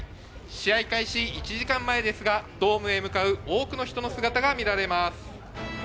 試合開始１時間前ですが、ドームへ向かう多くの人の姿が見られます。